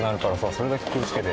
それだけ気をつけて。